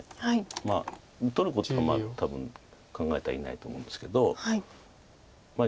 まあ取ることは多分考えてはいないと思うんですけど。